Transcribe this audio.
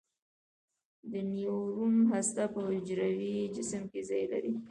د نیورون هسته په حجروي جسم کې ځای لري.